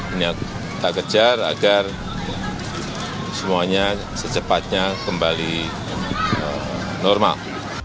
ini yang kita kejar agar semuanya secepatnya kembali normal